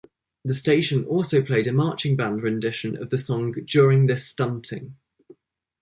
The station also played a marching band rendition of the song during this stunting.